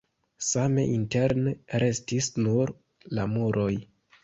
Same interne restis nur la muroj.